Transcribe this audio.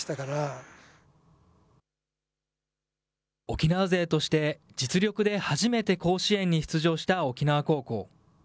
沖縄勢として実力で初めて甲子園に出場した沖縄高校。